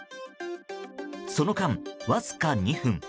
その間わずか２分。